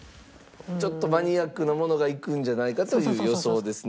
ちょっとマニアックなものがいくんじゃないかという予想ですね。